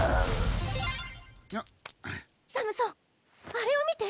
あれを見て。